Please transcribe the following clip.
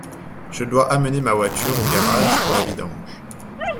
Je dois amener ma voiture au garage pour la vidange.